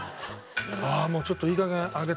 ああもうちょっといい加減揚げ